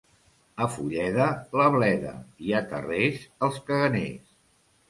A Fulleda, la bleda, i a Tarrés, els caganers.